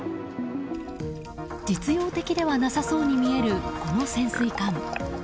実用的ではなさそうに見えるこの潜水艦。